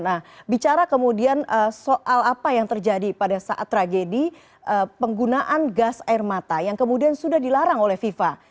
nah bicara kemudian soal apa yang terjadi pada saat tragedi penggunaan gas air mata yang kemudian sudah dilarang oleh fifa